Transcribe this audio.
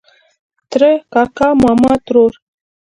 ترۀ کاکا ماما ترور